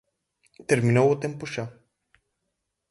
Terminou o tempo xa.